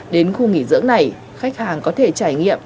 đến khu nghỉ dưỡng này khách hàng có thể trải nghiệm